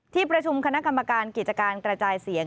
ที่ประชุมคณะกรรมการกิจการกระจายเสียง